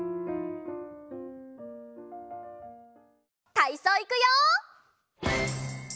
たいそういくよ！